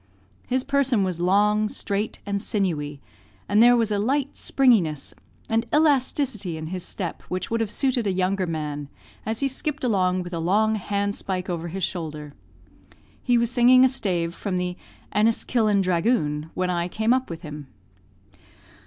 His person was long, straight, and sinewy, and there was a light springiness and elasticity in his step which would have suited a younger man, as he skipped along with a long handspike over his shoulder. He was singing a stave from the "Enniskillen Dragoon" when I came up with him.